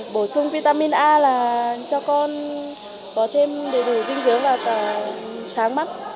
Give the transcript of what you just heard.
bổ sung vitamin a là cho con có thêm đầy đủ dinh dưỡng và sáng mắt